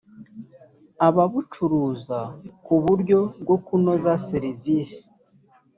ababucuruza ku buryo bwo kunoza serivisi